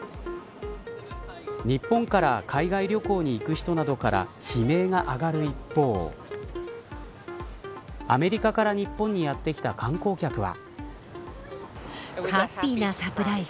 日本から海外旅行に行く人などから悲鳴が上がる一方アメリカから日本にやってきた観光客は。